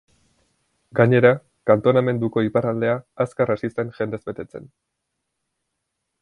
Gainera, kantonamenduko iparraldea azkar hasi zen jendez betetzen.